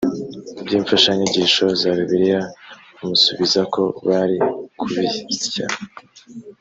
by imfashanyigisho za bibiliya amusubiza ko bari kubisya